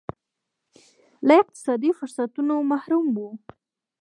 له اقتصادي فرصتونو محروم وو.